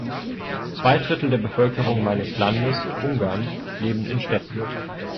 Zwei Drittel der Bevölkerung meines Landes, Ungarn, leben in Städten.